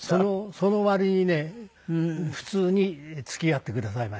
その割にね普通に付き合ってくださいました。